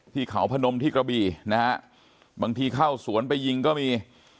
ที่เขาพนมที่กระบี่นะฮะบางทีเข้าสวนไปยิงก็มี